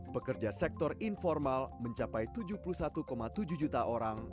pekerja sektor informal mencapai tujuh puluh satu tujuh juta orang